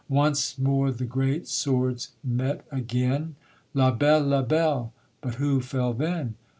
_ Once more the great swords met again: "La belle! la belle!" but who fell then?